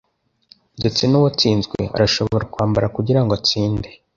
Ndetse nuwatsinzwe arashobora kwambara kugirango atsinde.